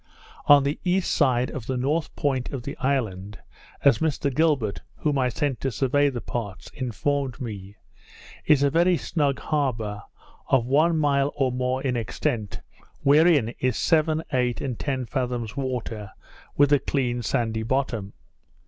On the east side of the north point of the island, (as Mr Gilbert, whom I sent to survey the parts, informed me) is a very snug harbour, of one mile or more in extent, wherein is seven, eight, and ten fathoms water, with a clean sandy bottom.